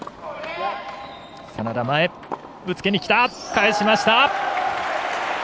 返しました！